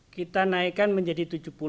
kita naikkan menjadi tujuh puluh